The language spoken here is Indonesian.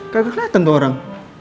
gak keliatan tuh orang